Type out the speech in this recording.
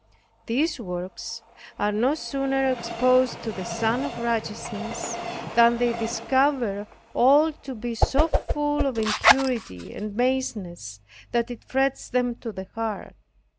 These works are no sooner exposed to the Sun of Righteousness, than they discover all to be so full of impurity and baseness, that it frets them to the heart.